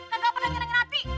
gak pernah nyerang nyerapi